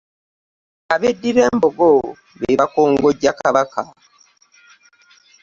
Abeddira embogo be bakongojja Kabaka.